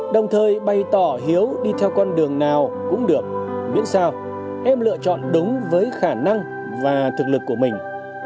đồng thời bày tỏ hiếu đi theo con đường nào cũng được miễn sao em lựa chọn đúng với khả năng và thực lực của mình